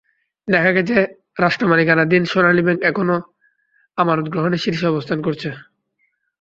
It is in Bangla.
দেখা গেছে, রাষ্ট্রমালিকানাধীন সোনালী ব্যাংক এখনো আমানত গ্রহণে শীর্ষে অবস্থান করছে।